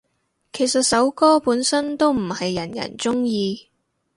其實首歌本身都唔係人人鍾意